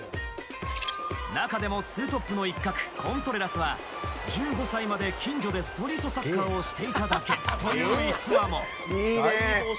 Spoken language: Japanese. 中でも２トップの一角コントレラスは１５歳まで近所でストリートサッカーをしていただけという逸話も。